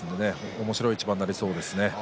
おもしろい一番になりそうですね。